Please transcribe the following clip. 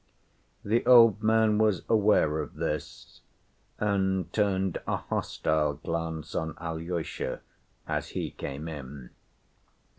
The old man was aware of this, and turned a hostile glance on Alyosha as he came in.